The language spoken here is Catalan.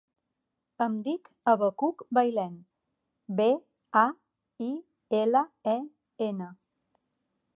Em dic Abacuc Bailen: be, a, i, ela, e, ena.